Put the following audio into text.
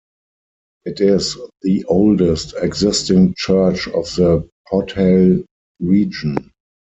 It is the oldest existing church of the Podhale region.